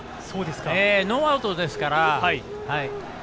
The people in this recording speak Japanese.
ノーアウトですから。